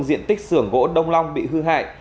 diện tích sưởng gỗ đông long bị hư hại